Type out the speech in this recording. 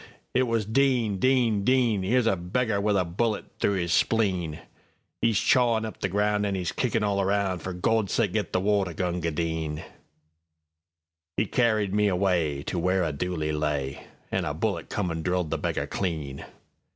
It was "Din! Din! Din!'Ere's a beggar with a bullet through 'is spleen;'E's chawin' up the ground an' 'e's kickin' all around:For Gawd's sake, git the water, Gunga Din!"'E carried me awayTo where a dooli lay, An' a bullet come an' drilled the beggar clean.